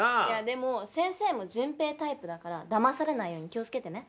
でも先生も純平タイプだから騙されないように気をつけてね。